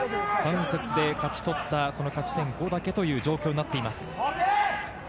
３節で勝ち取った勝ち点５だけという状況になっています。